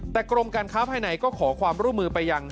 แต่กรมการค้าภายในก็ขอความร่วมมือไปยัง